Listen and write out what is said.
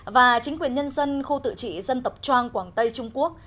và chính quyền nhân dân khu tự trị dân tộc trang quảng tây trung quốc